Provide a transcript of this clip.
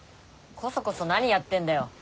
こそこそ何やってんだよ。